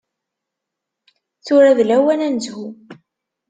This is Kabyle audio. Tura d lawan ad nezhu.